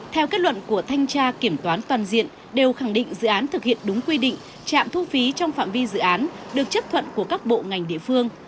theo kết luận của thanh tra kiểm toán toàn diện đều khẳng định dự án thực hiện đúng quy định trạm thu phí trong phạm vi dự án được chấp thuận của các bộ ngành địa phương